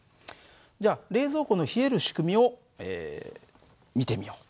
じゃあ冷蔵庫の冷える仕組みを見てみよう。